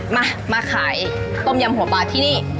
มามาขายต้มยำหัวปลาที่นี่